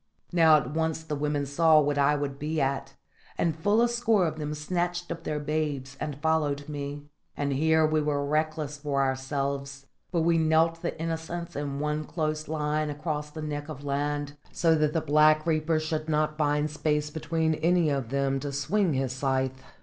Now at once the women saw what I would be at, and full a score of them snatched up their babes and followed me. And here we were reckless for ourselves; but we knelt the innocents in one close line across the neck of land, so that the Black Reaper should not find space between any of them to swing his scythe.